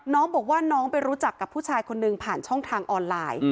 น้องบอกว่าน้องไปรู้จักกับผู้ชายคนหนึ่งผ่านช่องทางออนไลน์